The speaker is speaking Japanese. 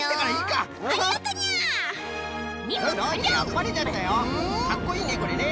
かっこいいねこれね。